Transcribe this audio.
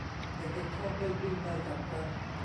เด็กเด็กชอบเล่นวิ่งไล่จับกัน